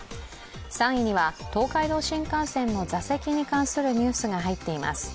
３位には、東海道新幹線の座席に関するニュースが入っています。